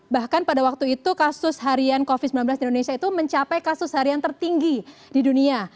bahkan pada waktu itu kasus harian covid sembilan belas di indonesia itu mencapai kasus harian tertinggi di dunia